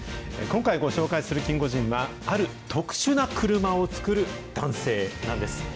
今回、ご紹介するキンゴジンは、ある特殊な車を作る男性なんです。